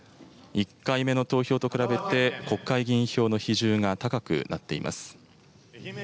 １回目の投票と比べて、国会議員票の比重が高くなっています。